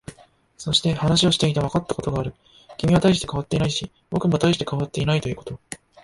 そして、話をしていてわかったことがある。君は大して変わっていないし、僕も大して変わっていないということ。